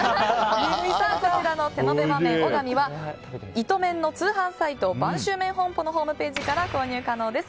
こちらの手延和麺小神はイトメンの通販サイト播州麺本舗のホームページから購入可能です。